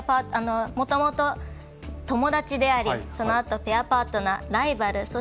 もともと、友達でありそのあとペアパートナーライバル。